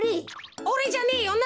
おれじゃねえよな？